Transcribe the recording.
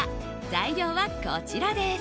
材料はこちらです。